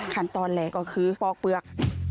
ขั้นตอนแรกก็คือฟอกเปลือก